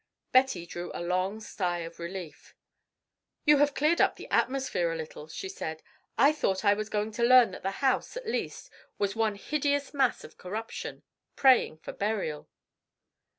Betty drew a long sigh of relief. "You have cleared up the atmosphere a little," she said. "I thought I was going to learn that the House, at least, was one hideous mass of corruption, praying for burial."